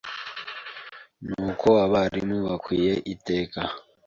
n’uko abarimu bakwiye iteka